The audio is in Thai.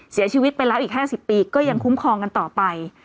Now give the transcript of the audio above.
เสียชีวิตไปแล้วอีก๕๐ปีก็ยังคุ้มครองกันต่อไป